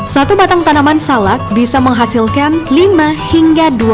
satu batang tanaman salak bisa menghasilkan lima hingga dua puluh